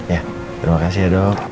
ya terima kasih ya dok